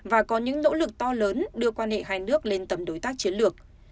và có những nỗ lực to lớn đưa quan hệ hai nước lên tầm đối tác chiến lược